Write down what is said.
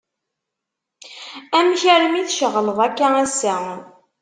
Amek armi tceɣleḍ akka assa?